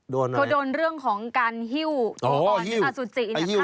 โดนอะไรนะโดนเรื่องของการฮิ้วตัวอ่อนอสุจินะครับอ๋อฮิ้ว